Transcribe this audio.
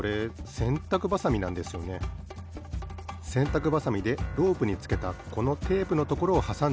せんたくばさみでロープにつけたこのテープのところをはさんでるんです。